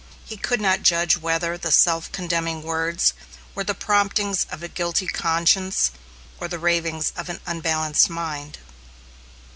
He could not judge whether the self condemning words were the promptings of a guilty conscience, or the ravings of an unbalanced mind.